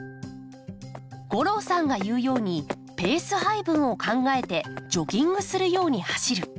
吾郎さんが言うようにペース配分を考えてジョギングするように走る。